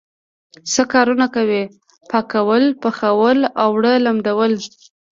څه کارونه کوئ؟ پاکول، پخول او اوړه لمدول